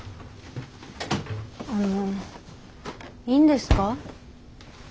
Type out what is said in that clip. あのいいんですか？